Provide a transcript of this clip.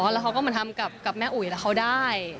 แล้วเขาก็มาทำกับแม่อุ๋ยแล้วเขาได้